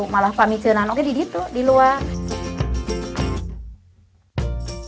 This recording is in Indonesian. malah kami cienan oke di situ di luar